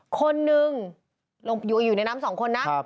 คนนึงอยู่ในน้ำสองคนนะ